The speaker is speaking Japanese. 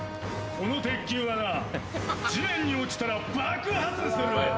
この鉄球はな、地面に落ちたら爆発する。